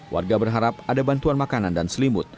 warga berharap ada bantuan makanan dan selimut